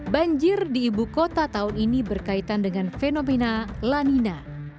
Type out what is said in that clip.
banjir di ibu kota tahun ini berkaitan dengan fenomena lanina